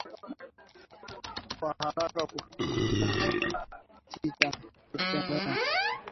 kwa haraka kusita kutembea na tando za kamasi kubadilika rangi